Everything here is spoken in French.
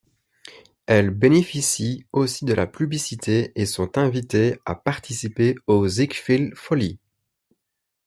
Elles bénéficient aussi de la publicité et sont invitées à participer aux Ziegfeld Follies.